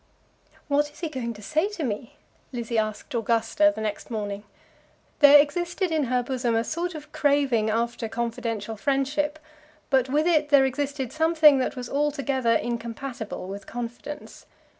"What is he going to say to me?" Lizzie asked Augusta the next morning. There existed in her bosom a sort of craving after confidential friendship, but with it there existed something that was altogether incompatible with confidence.